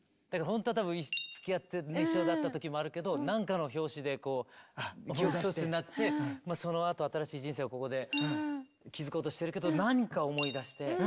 ほんとは多分つきあって一緒だった時もあるけど何かの拍子で記憶喪失になってそのあと新しい人生をここで築こうとしてるけど何か思い出して。